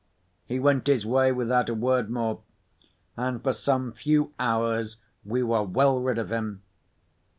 He went his way without a word more—and for some few hours we were well rid of him.